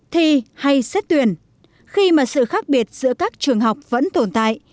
thi hay xét tuyển khi mà sự khác biệt giữa các trường học vẫn tồn tại